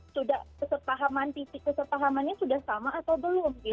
sudah kesepahamannya sudah sama atau belum